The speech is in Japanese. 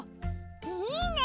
いいね！